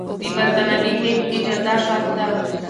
د برتانوي هند اجازه شرط ده.